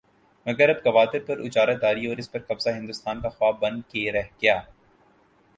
مگر اب گوادر پر اجارہ داری اور اس پر قبضہ ہندوستان کا خواب بن کے رہ گیا۔